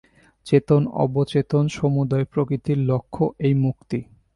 চেতন, অচেতন, সমুদয় প্রকৃতির লক্ষ্য এই মুক্তি।